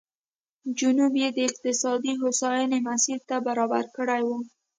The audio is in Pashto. جنوب یې د اقتصادي هوساینې مسیر ته برابر کړی وای.